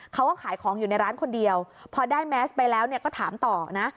เขาก็ขายของอยู่ในร้านคนเดียวพอได้แมสไปแล้วก็ถามต่อนะ